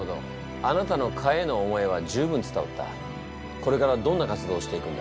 これからどんな活動をしていくんだ？